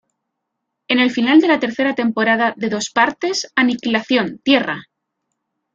En el final de la tercera temporada de dos partes, Aniquilación: ¡Tierra!